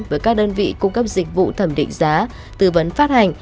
với các đơn vị cung cấp dịch vụ thẩm định giá tư vấn phát hành